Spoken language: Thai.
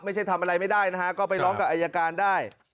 ทำอะไรไม่ได้นะฮะก็ไปร้องกับอายการได้